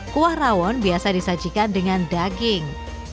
kuah rawon biasa disajikan dengan daging